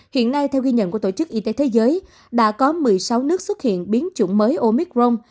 hiện nay theo ghi nhận của tổ chức y tế thế giới đã có một mươi sáu nước xuất hiện biến chủng mới omicron